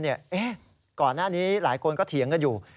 ก่อนหน้านี้หลายคนก็เถียงกันอยู่